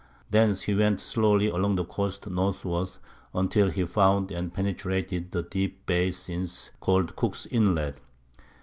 Thence he went slowly along the coast northward until he found and penetrated the deep bay since called Cook's Inlet.